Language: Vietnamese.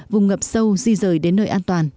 vùng ngập sâu di rời đến nơi an toàn